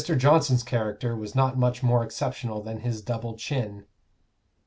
Johnson's character was not much more exceptional than his double chin.